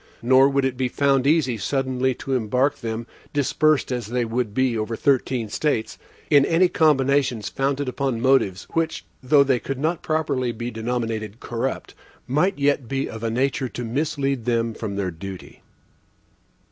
Nor would it be found easy suddenly to embark them, dispersed as they would be over thirteen States, in any combinations founded upon motives, which though they could not properly be denominated corrupt, might yet be of a nature to mislead them from their duty.